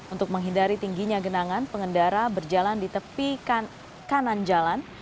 untuk menghindari tingginya genangan pengendara berjalan di tepi kanan jalan